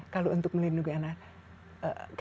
kalau untuk melindungi anak